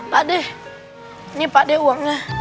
pak deh ini pak deh uangnya